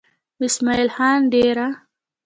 اسمعيل خان ديره